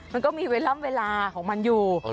มันก็มีเวลาล่ำเวลาของมันอยู่